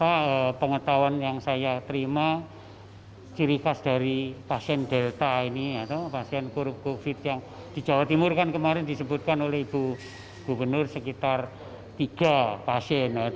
apa pengetahuan yang saya terima ciri khas dari pasien delta ini atau pasien covid sembilan belas yang di jawa timur kan kemarin disebutkan oleh ibu gubernur sekitar tiga pasien